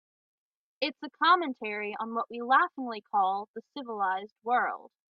It's a commentary on what we laughingly call the civilized world.